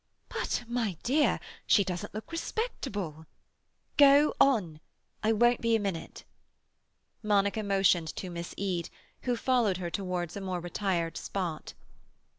"But, my dear, she doesn't look respectable—" "Go on; I won't be a minute." Monica motioned to Miss Eade, who followed her towards a more retired spot.